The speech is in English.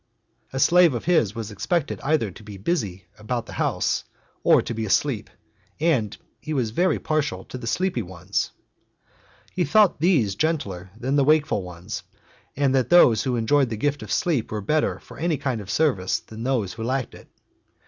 A slave of his was expected either to be busy about the house, or to be asleep, and he was 'very partial to the sleepy ones. He thought these gentler than the wakeful ones, and that those who had enjoyed the gift of sleep were better for any kind of service than those who lacked it.